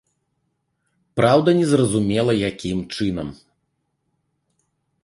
Праўда, незразумела, якім чынам.